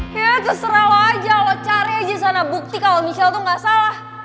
ya terserah lo aja lo cari aja sana bukti kalo michelle tuh gak salah